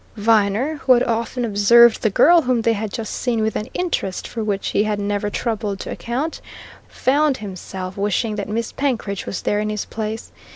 Viner, who had often observed the girl whom they had just seen with an interest for which he had never troubled to account, found himself wishing that Miss Penkridge was there in his place.